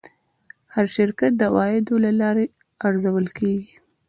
هر شرکت د عوایدو له لارې ارزول کېږي.